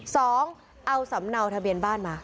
สองเอาสำเนาทะเบียนบ้านมา